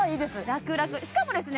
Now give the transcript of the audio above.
ラクラクしかもですね